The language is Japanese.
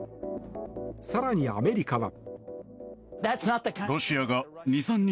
更に、アメリカは。